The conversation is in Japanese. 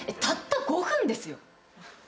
たった５分ですよ！